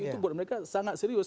itu buat mereka sangat serius